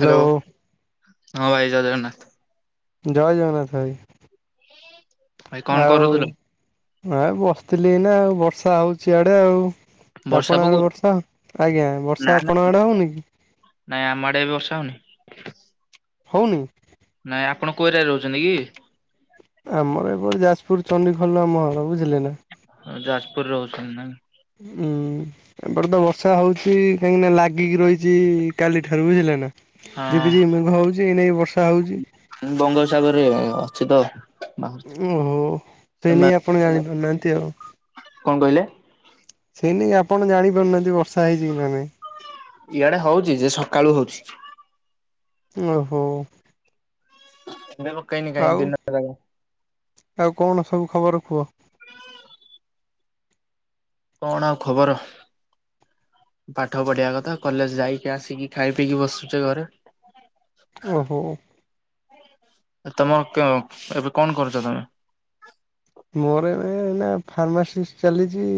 Hello ହଁ ଭାଇ ଜୟ ଜଗନ୍ନାଥ। ଜୟ ଜଗନ୍ନାଥ ଭାଇ, ଭାଇ କଣ ଆଉ କରୁଥିଲ ଆ ବସିଥିଲି ଏଇନା ଆଉ ବର୍ଷା ହଉଚି ଆଡ଼େ ଆଉ। ବର୍ଷା ଆପଣଙ୍କ ଆଡ଼େ ପକଉଛି? ବର୍ଷା ଆଜ୍ଞା ନା ବର୍ଷା ନା ଆପଣଙ୍କ ଆଡ଼େ ହଉନି କି? ନାଇଁ ଆମ ଆଡ଼େ ଏବେ ବର୍ଷା ହଉନି। ହଉନି? ନାଇଁ ଆପଣ କୋଉ ଏରିଆରେ ରହୁଚନ୍ତି କି? ଆମର ଏପଟ ଯାଜପୁର ଚଣ୍ଡୀଖୋଲ ଆମ ଘର ବୁଝିଲେ ନା। ଅଁ ଯାଜପୁରରେ ରହୁଚନ୍ତି ନା। ହୁଁ। ଏପଟେତ ବର୍ଷା ହଉଚି କାହିଁକିନା ଲାଗିକି ରହିଚି କାଲି ଠାରୁ ବୁଝିଲେନା। ଝିପି ଝିପି ମେଘ ହଉଚି ଏନାଇ ବର୍ଷ ମୁଁ ବଙ୍ଗୋପସାଗରରେ ଅଛିତ ଓହୋ ସେନେଇଁ ଆପଣ ଜାଣିପାରୁନାହାନ୍ତି ଆଉ। କଁ କହିଲେ? ସେଇ ନାଗି ଆପଣ ଜାଣିପାରୁନାହାନ୍ତି ବର୍ଷା ହେଇଚିକି ନା ନାଇଁ। ଇଆଡ଼େ ହଉଚିଯେ ସକାଳୁ ହଉଚି। ଓହୋ। [unintelligible] ପକେଇନି କାଇଁ ଆଉ ଦିନା ସାରା ଆଉ କଣ ସବୁ ଖବର କୁଅ? କଣ ଆଉ ଖବର। ପାଠ ପଢିବା କଥା କଲେଜ୍ ଯାଇକି ଆସିକି ଖାଇ ପିଇକି ବସୁଚେ ଘରେ। ଓହୋ। ଆଁ ତମର କଁ ଏବେ କଣ କରୁଚ ତମେ? ମୋର ଏବେ ଫାର୍ମାସିଷ୍ଟ ଚାଲିଚି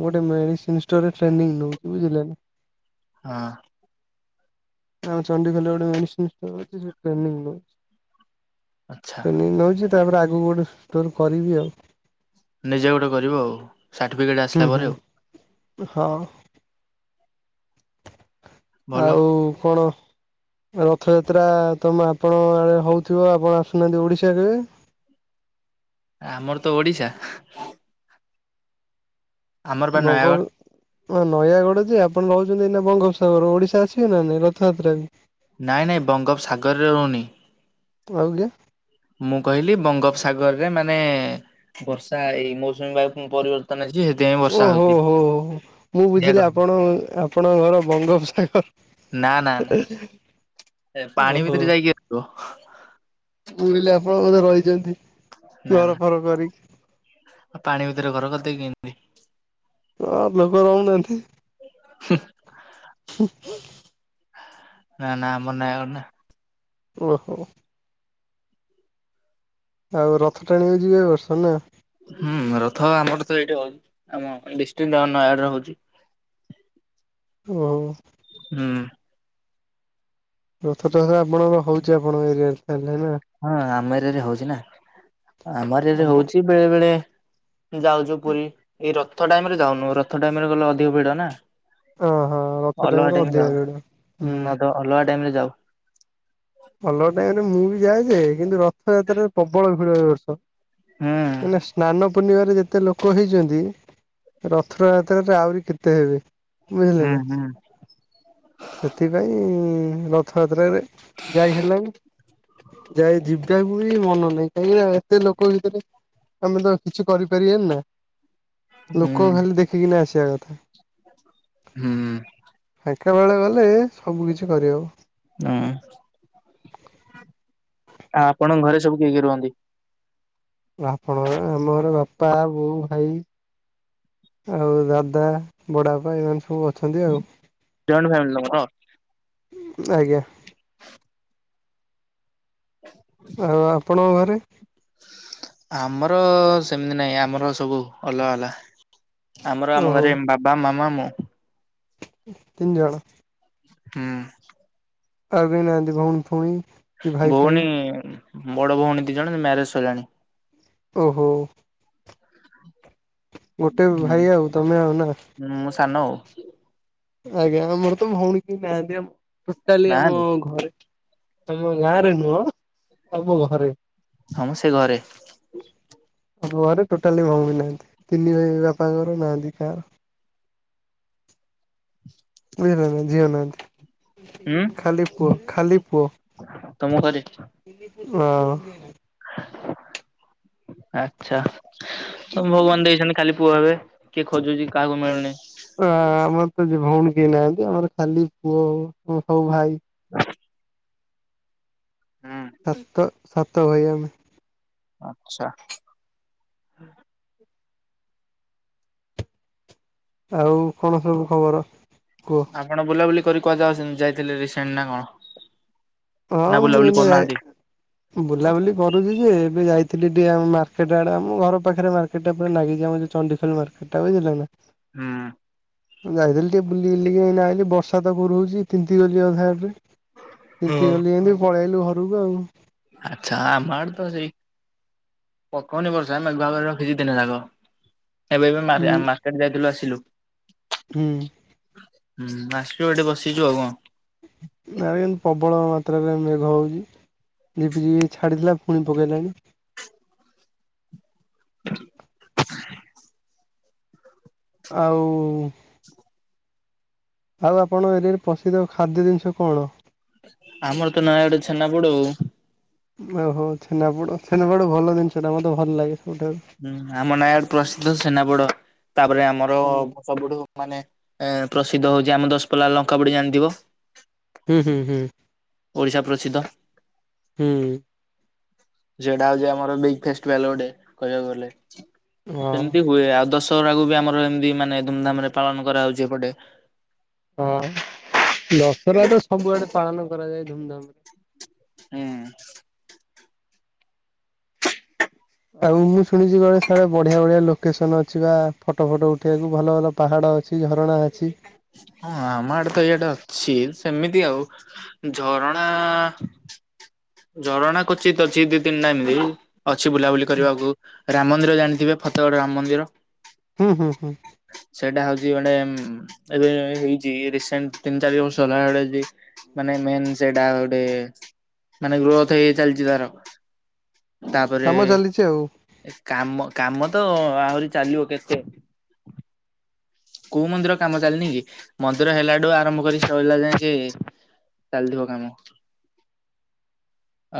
ଗୋଟେ ମେଡ଼ିସିନ୍ ଟ୍ରେନିଂ ନଉଚି ବୁଝିଲେ। ହଁ। ଆଉ ଚଣ୍ଡିଖୋଲରେ ଗୋଟେ ମେଡ଼ିସିନ୍ ଷ୍ଟୋର ଅଛି ସେଠି ଟ୍ରେନିଂ ଆଚ୍ଛା ନଉଚି ତାପରେ ଆଗକୁ ଗୋଟେ ଷ୍ଟୋର କରିବି ଆଉ। ନିଜେ ଗୋଟେ କରିବ ଆଉ ସାର୍ଟିଫିକେଟ୍ ହୁଁ ଆସିଲା ହୁଁ ପରେ ଆଉ। ହଁ। ଭଲ। ଆଉ କଣ ରଥଯାତ୍ରା ତମେ ଆପଣ ଆଡ଼େ ହଉଥିବ ଆପଣ ଆସୁନାହାନ୍ତି ଓଡ଼ିଶା କେବେ? ଆମରତ ଓଡ଼ିଶା। ଆମର ବା ନୟାଗଡ଼ ବୋଗବ ହଁ ନୟାଗଡ଼ଯେ ଆପଣ ରହୁଚନ୍ତି ଏଇନା ବଙ୍ଗୋପସାଗର ଓଡ଼ିଶା ଆସିବେନା ନାଇଁ ରଥଯାତ୍ରାରେ? ନାଇଁ ନାଇଁ ବଙ୍ଗୋପସାଗରରେ ରହୁନି। ଆଉଯେ ମୁଁ କହିଲି ବଙ୍ଗୋପସାଗରରେ ମାନେ ବର୍ଷା ଏଇ ମୌସୁମୀ ବାୟୁ ପରିବର୍ତ୍ତ ଯ ହେ [unintelligible] ଓ ହୋ ହଉ ହଉ ମୁଁ ବୁଝିଲି କହିଲି ଆପଣ ଆପଣଙ୍କ ଘର ବଙ୍ଗୋପସାଗର ନା ନା ନା ପାଣି ଭିତରେ ଯାଇକି ଆସିବ। ଶୁଣିଲି ଆପଣ ବୋଧେ ରହିଛନ୍ତି ନା ନା ଘର ଫର କରିକି। ଆଉ ପାଣି ଭିତରେ ଘର କରିଦେଇକି କିମନ୍ତି ଯିବି। ହ ଲୋକ ରହୁନାହାନ୍ତି। ହେ ହ [unintelligible] ନା ନା ଆମ ନା ଅନା। ଓହୋ। ଆଉ ରଥ ଟାଣିବାକୁ ଯିବେ ଏ ବିର୍ଷ ନା ହୁଁ ରଥ ଆମର ତ ଏଇଟି ହଉଛି ଆମ ଡିଷ୍ଟ୍ରିକଟ ନୟାଗଡରେ ହଉଛି। ଓ ପ୍। ହଁ [unintelligible] ହୁଁ। ରଥଟଣା ଆପଣର ହଉଛି ଆପଣଙ୍କ ଏରିଆରେ ତାଲେ ନା। ହଁ ଆମ ଏରିଆରେ ହଉଛି ନା ଆମ ଏରିଆରେ ହଉଛି ବେଳେ ବେଳେ ଯାଉଛୁ ପୁରୀ ଏଇ ରଥ ଟାଇମ ରେ ଯାଉନୁ ରଥ ଟାଇମରେ ଗଲେ ଅଧିକ ଭିଡ ନା। ଓହୋ ରଥ ଅଲଗା ରେ ଟାଇମ ଅଧିକା ଯାଉ ଭିଡ ହୁଁ ତ ଅଲଗା ଟାଇମରେ ଯାଉ। ଅଲଗା ଟାଇମ ରେ ମୁଁ ବି ଯାଏ ଯେ କିନ୍ତୁ ରଥଯାତ୍ରାରେ ପ୍ରବଳ ଭିଡ ଏ ବର୍ଷ। ହୁଁ ଏଇନା ସ୍ନାାନ ପ ପୂର୍ଣ୍ଣିମାରେ ଯେତେ ଲୋକ ହେଇଛନ୍ତି। ରଥଯାତ୍ରାରେ ଆହୁରି କେତେ ହେବେ? ବୁଝିଲେ ହୁଁ ନା। ହୁଁ ସେଥିପାଇଁ ରଥଯାତ୍ରାରେ ଯାଇ ହେଲାନି। ଯାଇ ଯିବେ। ପୁରି ମନ ନାହିଁ। କାହିଁକି ନା ଏତେ ଲୋକ ଭିତରେ ଆମେ ତ କିଛି କରିପାରିବନି ନା? ହୁଁ ଲୋକ ଖାଲି ଦେଖିକି ନା ଆସିବା କଥା। ହୁଁ। ହେତେବେଳେ ଗଲେ ସବୁକିଛି କରିହେବ। ହୁଁ, ଆ ଆପଣଙ୍କ ଘରେ ସବୁ କିଏ କିଏ ରୁହନ୍ତି? ଆପଣର ଆମର ବାପା, ବୋଉ, ଭାଇ। ଆଉ ଦାଦା, ବଡ ବାପା ଏଇମାନେ ମାନେ ସବୁ ଅ ଅଛନ୍ତି ଆଉ। ଜଏଣ୍ଟ ଫ୍ୟାମିଲି ତମର? ଆଜ୍ଞା। ହ [unintelligible] ଆଉ ଆପଣଙ୍କ ଘରେ? ଆମର ସେମିତି ନାଇଁ ଆମର ସବୁ ଅଲଗା ଅଲଗା। ଆମର ଆମ ଘରେ ବାବା, ମାମା, ମୁଁ। ତିନିଜଣ। ହୁଁ। ଆଉ କେହି ନାହାନ୍ତି ଭଉଣୀ ଫଉଣୀ? କି ଭାଇ ଫାଇ ଭଉଣୀ ବଡ ଭଉଣୀ ଦି ଜଣ ମ୍ୟାରେଜ ସଇଲାଣି। ଓହୋ। ଗୋଟେ ଭାଇ ହୁଁ ଆଉ ତମେ ଆଉ ନା। ମୁଁ ସାନ। ଆଜ୍ଞା, ଆମର ତ ଭଉଣୀ କେଇ ନାହାନ୍ତି ଆମ ଟୋଟାଲି ଆମ ନାହାନ୍ତି ଘରେ। ଆମ ଗାଁ ରେ ନୁହଁ ଆମ ଘରେ। ହଁ ମ ସେ ଘରେ। ଆମ ଘରେ ଟୋଟାଲି ଭଉଣୀ ନାହାନ୍ତି। ତିନି ଭାଇ ବାପାଙ୍କର ନାହାନ୍ତି କାହାର? ବୁଝିଲ ନା ଝିଅ ନାହାନ୍ତି। ହୁଁ ଖାଲି ପୁଅ ଖାଲି ପୁଅ ତମ ଘରେ? ହଁ। ଆଚ୍ଛା, ତମ ଭଗବାନ ଦେଇଚନ୍ତି ଖାଲି ପୁଅ ହେବେ। କିଏ ଖୋଜୁଚି କାଆକୁ ମିଳୁନି? ଆ-ଆ ଆମର ତ ଭଉଣୀ କେଇ ନାଆନ୍ତି ଆମର ଖାଲି ପୁଅ ସବୁ ଭାଇ। ହୁଁ ସାତ ସାତ ଭାଇ ଆମେ। ଆଚ୍ଛା। ଆଉ କଣ ସବୁ ଖବର? କୁହ ଆପଣ ବୁଲାବୁଲି କରି କୁଆ ଯାଉଚନ୍ତି ଯାଇଥିଲେ ରିସେଣ୍ଟ୍ ନା କଣ? ହଁ ନା ମୁଁ ବୁଲାବୁଲି ଏନା ଯାାଇ କରୁନାହାନ୍ତି [unintelligible] ବୁଲାବୁଲି କରୁଛି ଯେ ଏବେ ଯାଇଥିଲି ଟିକେ ମାର୍କେଟ୍ ଆଡେ ଆମ ଘର ପାଖରେ ମାର୍ ର୍କେଟ ପୁରା ଲାଗିଚି ଆମଯୋଉ ଚଣ୍ଡିଖୋଲ ମାର୍କେଟ୍ ଟା ବୁଝିଲେ ନା। ହୁଁ ମୁଁ ଯାଇଥିଲି ଟିକେ ବୁଲି ବୁଲିକି ଏଲେ ଆଇଲି ବର୍ଷା ତ କୁର ହଉଛି ତିନ୍ତି ଗଲି ଅଧା ଏବେ। ହଁ। ତିନ୍ତିଗଲି ଏନ୍ତି ପଳେଇ ଆଇଲୁ ଘରକୁ ଆଉ। ଆଚ୍ଛା, ଆମ ଆଡେ ତ ସେଇ ପକଉନି ବର୍ଷା ମେଘୁଆ କରି ରଖିଛି ଦିନ ଯାକ। ଏବେ ବି ମାର୍ ମାର୍କେଟ ଯାଇଥିଲୁ ଆସିଲୁ। ହୁଁ। ହୁଁ, ଆସଛୁ ଏଠେ ବସିଚୁ ଆଉ କଁ? ନାଇଁ ମ୍ ପବଳ ମାତ୍ରାରେ ମେଘ ହଉଚି ଝିପିଝିପି ଛାଡ଼ିଥିଲା ଫୁଣି ପକେଇଲାଣି। [unintelligible] ଆଉ ଉ-ଉ-ଉ-ଉ ଆଉ ଆପଣ ଏରିଆରେ ପସିଦ୍ଧ ଖାଦ୍ୟ ଜିନିଷ କଣ? ଆମର ତ ନୟାଗଡ଼ ଛେନାପୋଡ ଆଉ। ଓହୋ ‌। ଛେନାପୋଡ ଛେନାପୋଡ଼ ଭଲ ଜିନିଷ ଟା ମତେ ଭଲ ଲାଗେ ସବୁଠାରୁ। ହୁଁ ଆମ ନାୟଗଡ୍ ପ୍ରସିଦ୍ଧ ସେନାପୋଡ। ତାପରେ ଆମର ହୁଁ ସବୁଠୁ ମାନେ ଏଁ ପ୍ରସିଦ୍ଧ ହଉଚି ଆମ ଦଶପଲ୍ଲା ଲଙ୍କା ପୁଡି ଜାଣିଥିବ। ହୁଁ-ହୁଁ-ହୁଁ ଓଡ଼ିଶା ପ୍ରସିଦ୍ଧ। ହୁଁ। ସେଟା ହଉଛି ଆମର ବିଗେଷ୍ଟ ବେଲୋଡି କହିବାକୁ ଗଲେ। ହଁ ସେମ୍ତି ହୁଏ ଆଉ ଦଶହରାକୁ ବି ଆମର ଏମ୍ତି ମାନେ ଧୁମଧାମ୍ ରେ ପାଳନ କରା ହଉଚି ଏପଟେ। ହଁ ଦଶହରା ତ ସବୁଆଡେ ପାଳନ କରାଯାଏ ଧୁମଧାମ୍ ରେ। ହୁଁ। ଆଉ ମୁଁ ଶୁଣିଛି କୁଆଡେ ସିଆଡେ ବଢିଆ ବଢିଆ ଲୋକେସନ୍ ଅଛି ବା ଫଟୋ ଫଟ ଉଠେଇବାକୁ ଭଲ ଭଲ ପାହାଡ ଅଛି ଝରଣା ଅଛି। ହଁ ଆମ ଆଡେ ତ ଏଇାଡେ ଅଛି ସେମିତି ଆଉ। ଝରଣା ଝରଣା କୋଚିତ୍ ଅଛି ଦି ତିନିଟା ଏମିତି। ଅଛି ବୁଲାବୁଲି କରିବାକୁ। ରାମ ମନ୍ଦିର ଜାଣିଥିବେ ଫତେଗଡ ରାମ ମନ୍ଦିର? ହୁଁ ହୁଁ ହୁଁ ସେଇଟା ହଉଛି ମାନେ ଏବେ ହେଇଛି ରସେଣ୍ଟ ତିନି ଚାରି ବର୍ଷ ହେଲା। [inaudible] ମାନେ ମେନ୍ ସେଟା ଗୋଟେ। ମାନେ ଗ୍ରୋଥ ହେଇ ହେଇ ଚାଲିଛି ତାର। ତାପରେ କାମ ଚାଲିଛି ଆଉ କାମ, କାମ ତ ଆହୁରି ଚାଲିବ କେତେ? କୋଉ ମନ୍ଦିର କାମ ଚାଲିନି କି? ମନ୍ଦିର ହେଲାଠୁ ଆରମ୍ଭ କରି [inaudible] ଯାକେ। ଚାଲିଥିବ କାମ।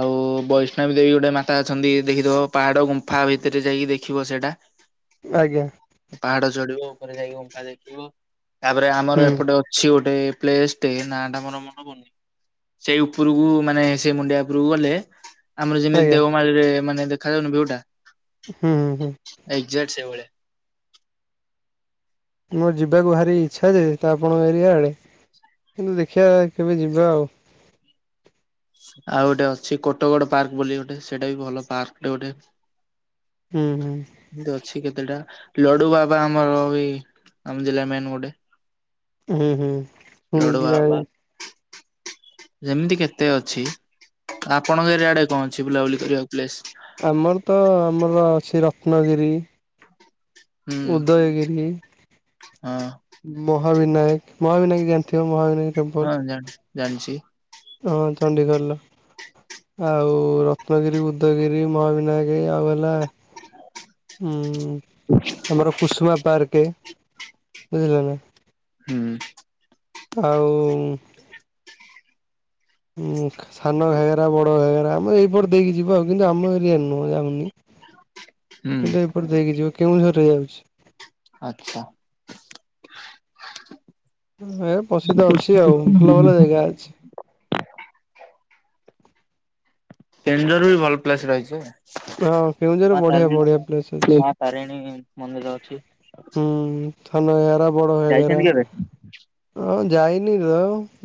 ଆଉ ବୈଷ୍ଣବୀ ଦେବୀ ଗୋଟେ ମାତା ଅଛନ୍ତି ଦେଖିଥିବ ପାହାଡ ଗୁମ୍ଫା ଭିତରେ ଯାଇକି ଦେଖିବ ସେଇଟା। ହ [unintelligible] ଆଜ୍ଞା ପାହାଡ ଚଢିବ। ଉପରେ ଯାଇକି ଗୁମ୍ଫା ଦେଖିବ। ତାପରେ ଆମର ହୁଁ ଏପଟେ ଅଛି ଗୋଟେ ପ୍ଲେସ ଟେ ନାଁ ଟା ମୋର ମନେ ପଡ଼ୁନି। ସେ ଉପରକୁ, ମାନେ ସେଇ ମୁଣ୍ଡିଆ ଉପରକୁ ଗଲେ- ଆମର ଯେମିତି ଆଜ୍ଞା ଦେଓମାଳିରେ ମାନେ ଦେଖାଯାଉନି ବିଉଟା- ହୁଁ ହୁଁ ଏଜାକ୍ଟ ସେଇଭଳିଆ। ମୋର ଯିବାକୁ ଭାରି ଇଚ୍ଛା ଯେ ତ ଆପଣଙ୍କ ଏରିଆ ଆଡ଼େ କିନ୍ତୁ ଦେଖିବା କେବେ ଯିବା ଆଉ। ଆଉ ଗୋଟେ ଅଛି କୋଟଗଡ ପାର୍କ ବୋଲି ଗୋଟେ ସେଇଟା ବି ଭଲ ପାର୍କଟେ ଗୋଟେ। ହୁଁ ହୁଁ ଏମତି ଅଛି କେତେଟା। ଲଡୁ ବାବା ଆମର ଏ ଆମ ଜିଲ୍ଲା ମେନ୍ ଗୋଟେ। ହୁଁ ହୁଁ ଲଡ଼ୁ ଶୁଣିଛି ଯାଇ ବାବା ପା ଯେମିତି କେତେ ଅଛି। ଆପଣଙ୍କ ଏରିଆ ଆଡେ କଣ ଅଛି ବୁଲାବୁଲି କରିବାକୁ ପ୍ଲେସ? ଆମର ତ ଆମର ଅଛି ରତ୍ନଗିରି। ହୁଁ ଉଦୟଗିରି। ହଁ ମହାବିନାୟକ, ମହାବିନାୟକ ଜାଣିଥିବେ, ମହାବିନାୟକ ଟେମ୍ପଲ। ହଁ ଜାଣି ଜାଣିଛି ହଁ ଚଣ୍ଡିଖୋଲର। ଆଉ ରତ୍ନଗିରି, ଉଦୟଗିରି, ମହାବିନାୟକ, ଆଉ ହେଲା- ହୁଁ ହ [unintelligible] ଆମର କୁଷୁମା ପାର୍କ ବୁଝିଲ ନା? ହୁଁ। ଆଉ ଉଁ ଖ ସାନ ଘାଗେରା, ବଡ଼ ଘାଗେରା, ମାନେ ଏଇପଟ ଦେଇକି ଯିବ ଆଉ କିନ୍ତୁ, ଆମ ଏରିଆରେ ନୁହଁ ଯାଉନି। ହୁଁ କିନ୍ତୁ ଏପଟେ ଦେଇକି ଯିବ, କେଉଁଝରରେ ଯାଉଛି। ଆଚ୍ଛା। ଏ ପ୍ରସିଦ୍ଧ ଅଛି ଆଉ। ଭଲ ଭଲ କେନ୍ଦୁଝର ଜାଗା ଅଛି। କେଉଁଝରରେ ବି ଭଲ ପ୍ଲେସ ରହିଛି। ହଁ, କେଉଁଝରରେ ମା ବଢିଆ ତାରିଣୀ ବଢିଆ ପ୍ଲେସ ଅଛି। ମା ତାରିଣୀ ମନ୍ଦିର ଅଛି। ହୁଁ, ସାନ ଘାଗେରା, ବଡ ଘାଗେରା। ଯାଇଛନ୍ତି କେବେ? ହଁ ଯାଇନି ଏବେ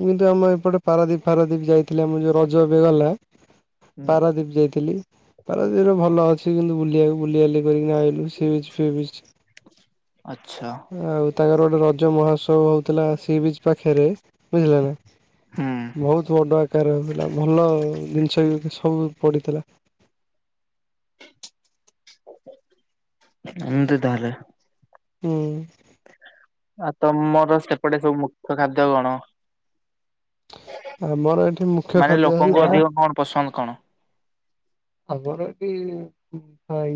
କିନ୍ତୁ ଆମ ଏପଟେ ପାରାଦ୍ୱୀପ ଫାରାଦ୍ୱୀପ ଯାଇଥିଲି, ଆମ ର ଯୋଉ ରଜ ଏବେ ଗଲା। ପାରାଦ୍ୱୀପ ଯାଇଥିଲି। ପାରାଦ୍ୱୀପରେ ଭଲ ଅଛି କିନ୍ତୁ ବୁଲିବାକୁ, ବୁଲି ବାଲି କରିକି ଆଇଲୁ ସି ବିଚ ଫି ବିଚ। ଆଛା। ଆଉ ତାଙ୍କର ଗୋଟେ ରଜ ମହୋତ୍ସବ ହଉଥିଲା, ସି ବିଚ ପାଖରେ ବୁଝିଲ ନା ହୁଁ ବହୁତ ବଡ। ପାଖରେ ହଉଥିଲା ଭଲ ଜିନିଷ ବି ସବୁ ପଡ଼ିଥିଲା। ଏମିତି ତାହଲେ ହୁଁ। ଆଉ ତମର ସେପଟେ ସବୁ ମୁଖ୍ୟ ଖାଦ୍ୟ କଣ? ଆମର ଏଠି ମୁଖ୍ୟ ମାନେ ଖାଦ୍ୟ ହେଲା ଲୋକଙ୍କୁ ଅଧିକ କଣ ପସନ୍ଦ କଣ? ଆମର ଏଠି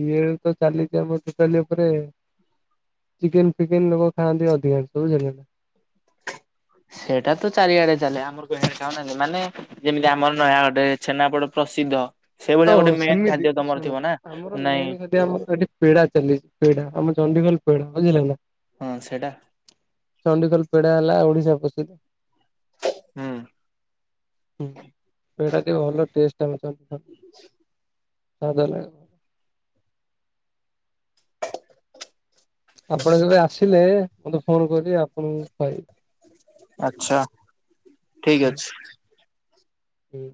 ଇଏ ତ ଚାଲିଛି ଆମର ଟୋଟାଲି ଉପରେ ଚିକେନ ଫିକେନ ଲୋକ ଖାଆନ୍ତି ଅଧିକାଂଶ ବୁଝିଲେ ନା। ସେଇଟା ତ ଚାରିଆଡେ ଚାଲେ, ଆମର କଣ ଖାଉନାହାଁନ୍ତି ମାନେ ଯେମିତି ଆମର ନୟାଗଡରେ ଛେନାପୋଡ଼ ପ୍ରସିଦ୍ଧ। ସେଇଭଳିଆ ଓହୋ ଗୋଟେ ମେନ୍ ସେମିତି ଖାଦ୍ୟ ତମର ଶୁଣନ୍ତୁ, ଥିବ ନା ଆମର ନାଇଁ ମେନ ଖାଦ୍ୟ ଆମର ଏଠି ପେଡା ଚାଲିଛି ପେଡା ଆମ ଚଣ୍ଡିଖୋଲ ପେଡା ବୁଝିଲେ ନା। ହଁ ସେଟା। ଚଣ୍ଡିଖୋଲ ପେଡା ହେଲା ଓଡିଶା ପ୍ରସିଦ୍ଧ। ହୁଁ ହଁ ପେଡା ଟି ଭଲ ଟେଷ୍ଟ କିଛି ହଉ ତାହେଲେ ଆପଣ କେବେ ଆସିଲେ ମତେ ଫୋନ କରିବେ ଆପଣଙ୍କୁ କହିବି। ଆଛା ଠିକ ଅଛି। ହୁଁ।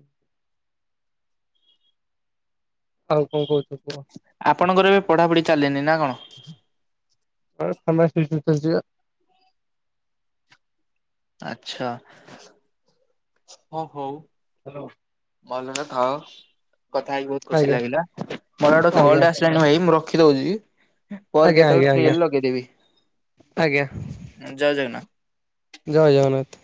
ଆଉ କଣ କହୁଛ କୁହ। ଆପଣଙ୍କର ଏବେ ପଢାପଢି ଚାଲିନି ନା କଣ? ହଁ ଫ୍ରାମଷ୍ଟି ବିଷୟରେ ଚାଲିଛି ପା। ଆଛା ହଁ ହଉ। ହ୍ୟାଲୋ? ଭଲ ରେ ଥାଅ କଥା ହେଇକି ବହୁତ ଖୁସି ଆଜ୍ଞା ଲାଗିଲା, ମୋର ଗୋଟେ କଲ୍ ଆଜ୍ଞା ଟେ ଆସି ତେଣୁ ଭାଇ ମୁଁ ରଖି ଦଉଛି, ପରେ ଆଜ୍ଞା ଆଜ୍ଞା କେତେବେଳେ ଆଜ୍ଞା ଫ୍ରି ଆଜ୍ଞା ହେଲେ ଲଗେଇଦେବି। ଆଜ୍ଞା ଜୟ ଜଗନ୍ନାଥ। ଜୟ ଜଗନ୍ନାଥ।